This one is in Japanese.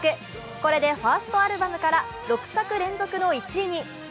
これでファーストアルバムから６作連続の１位に。